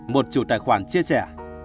một chủ tài khoản chia sẻ